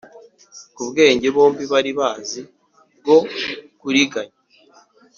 ku bwenge bombi bari bazi bwo kuriganya.